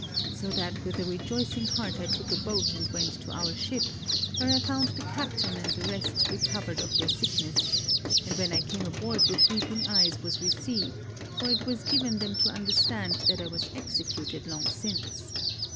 So that with a rejoicing heart I took a boat and went to our ship, where I found the captain and the rest recovered of their sickness; and when I came aboard with weeping eyes was received, for it was given them to understand that I was executed long since.